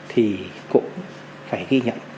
thì cũng phải ghi nhận